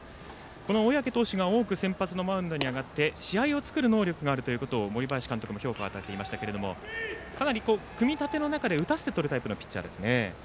この小宅投手が多く先発のマウンドに上がって試合を作る能力があるということを森林監督も評価を与えていましたがかなり組み立ての中で打たせてとるタイプのピッチャーですね。